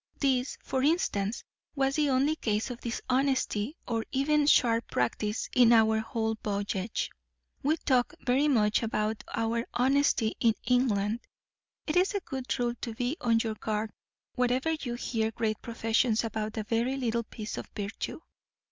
This, for instance, was the only case of dishonesty or even sharp practice in our whole voyage. We talk very much about our honesty in England. It is a good rule to be on your guard wherever you hear great professions about a very little piece of virtue.